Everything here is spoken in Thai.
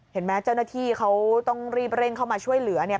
เห็นไหมเจ้าหน้าที่เขาต้องรีบเร่งเข้ามาช่วยเหลือเนี่ย